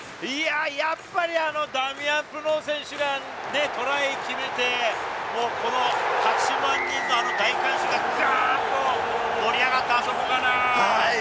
やっぱり、あのダミアン・プノー選手がトライを決めて、この８万人の、あの大観衆がぐわっと盛り上がった、あそこかな。